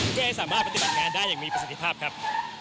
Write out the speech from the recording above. เพื่อให้สามารถปฏิบัติงานได้อย่างมีประสิทธิภาพครับ